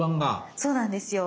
そうなんですよ。